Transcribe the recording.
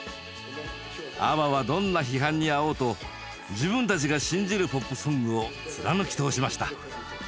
ＡＢＢＡはどんな批判に遭おうと自分たちが信じるポップソングを貫き通しました。